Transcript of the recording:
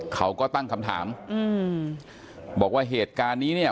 เขาก็ตั้งคำถามอืมบอกว่าเหตุการณ์นี้เนี่ย